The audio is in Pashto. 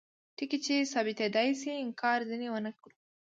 ټکي چې ثابتیدای شي انکار ځینې ونکړو.